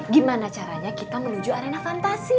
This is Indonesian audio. gimana caranya kita menuju arena fantasi